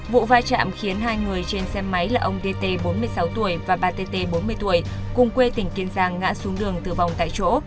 vụ vai chạm khiến hai người trên xe máy là ông dt bốn mươi sáu tuổi và bà tê bốn mươi tuổi cùng quê tỉnh kiên giang ngã xuống đường tử vong tại chỗ